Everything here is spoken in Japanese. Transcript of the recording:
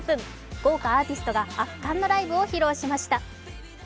豪華アーティストが圧巻のライブを披露しました。